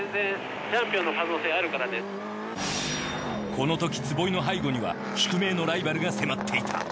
このとき坪井の背後には宿命のライバルが迫っていた。